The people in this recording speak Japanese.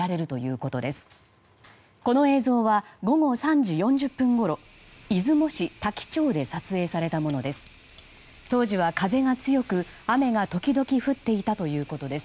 この映像は午後３時４０分ごろ出雲市多伎町で撮影されたものです。